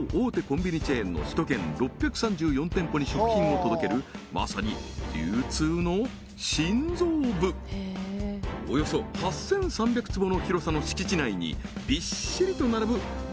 コンビニチェーンの首都圏６３４店舗に食品を届けるまさに流通の心臓部およそ８３００坪の広さの敷地内にびっしりと並ぶ１０万